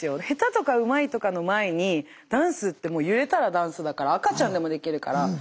下手とかうまいとかの前にダンスってもう揺れたらダンスだから赤ちゃんでもできるから。